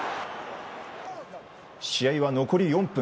試合は残り４分。